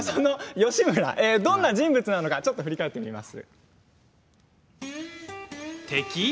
義村どんな人物なのか振り返っていきます。